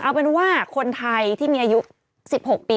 เอาเป็นว่าคนไทยที่มีอายุ๑๖ปี